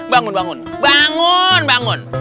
bangun bangun bangun bangun